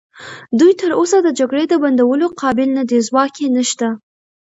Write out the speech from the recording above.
دوی تراوسه د جګړې د بندولو قابل نه دي، ځواک یې نشته.